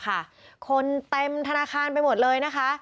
คนเต็มธนาคารไปหมดเลยนะคะ